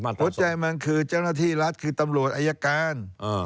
หัวใจมันคือเจ้าหน้าที่รัฐคือตำรวจอายการ